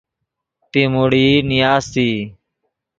پیموڑئی نیاستئی